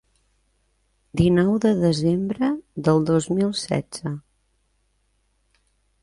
Dinou de desembre del dos mil setze.